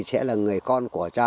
sẽ là người con của cha